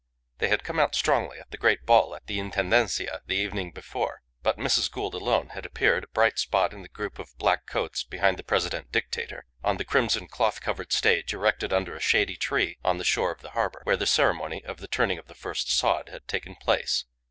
They had come out strongly at the great ball at the Intendencia the evening before, but Mrs. Gould alone had appeared, a bright spot in the group of black coats behind the President Dictator, on the crimson cloth covered stage erected under a shady tree on the shore of the harbour, where the ceremony of turning the first sod had taken place.